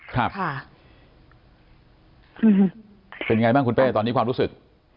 ครับค่ะเป็นไงบ้างคุณเป้ตอนนี้ความรู้สึก